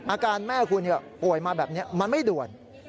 อาการแม่คุณป่วยมาแบบนี้มันไม่ด่วน